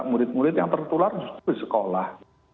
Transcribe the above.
murid murid yang tertular di sekolah